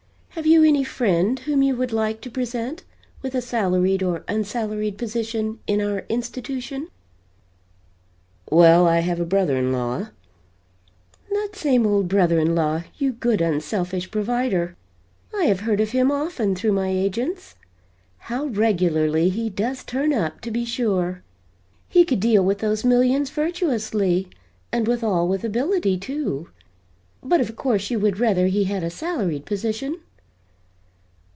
Have you any friend whom you would like to present with a salaried or unsalaried position in our institution?" "Well, I have a brother in law " "That same old brother in law, you good unselfish provider! I have heard of him often, through my agents. How regularly he does 'turn up,' to be sure. He could deal with those millions virtuously, and withal with ability, too but of course you would rather he had a salaried position?"